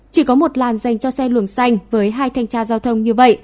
chỉ có một làn dành cho xe luồng xanh với hai thanh tra giao thông như vậy